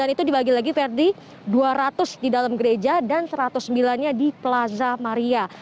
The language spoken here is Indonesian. tiga ratus sembilan itu dibagi lagi verdi dua ratus di dalam gereja dan satu ratus sembilan nya di plaza